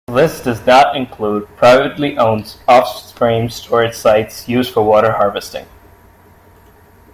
This does not include privately owned off-stream storage sites used for water harvesting.